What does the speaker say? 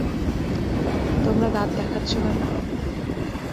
তোমরা দাঁত দেখাচ্ছো কেনো?